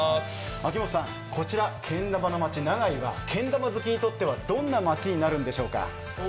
秋元さんこちらけん玉の町、長井はけん玉好きにとってはどんな町になるんでしょうか？